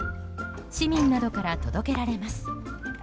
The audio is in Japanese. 市民などから届けられます。